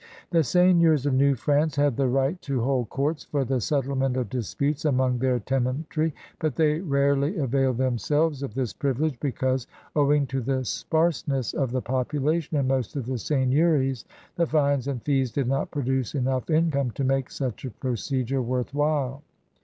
The seigneurs of New France had the right to hold courts for the settlement of disputes among their tenantry, but they rarely availed themselves 152 CRUSADERS OF NEW FRANCE of this privilege because, owing to the sparseness of the population in most of the seigneuries, the fines and fees did not produce enough income to make such a procedure worth while.